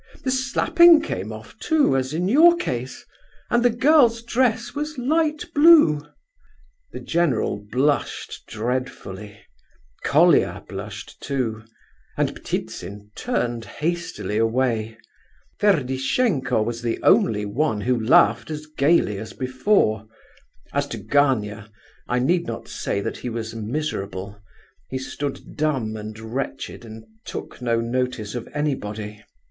The slapping came off, too, as in your case; and the girl's dress was light blue!" The general blushed dreadfully; Colia blushed too; and Ptitsin turned hastily away. Ferdishenko was the only one who laughed as gaily as before. As to Gania, I need not say that he was miserable; he stood dumb and wretched and took no notice of anybody.